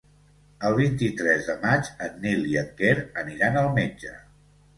El vint-i-tres de maig en Nil i en Quer aniran al metge.